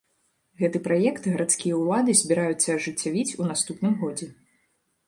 Гэты праект гарадскія ўлады збіраюцца ажыццявіць у наступным годзе.